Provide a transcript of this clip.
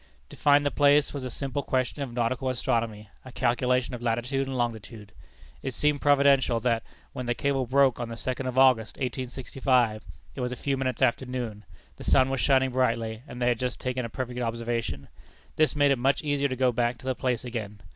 To find the place was a simple question of nautical astronomy a calculation of latitude and longitude. It seemed providential that, when the cable broke on the second of August, 1865, it was a few minutes after noon; the sun was shining brightly, and they had just taken a perfect observation. This made it much easier to go back to the place again.